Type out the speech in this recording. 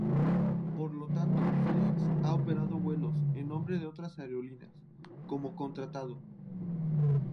Por lo tanto, Flex ha operado vuelos en nombre de otras aerolíneas, como contratado.